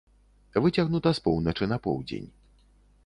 Выцягнута з поўначы на поўдзень.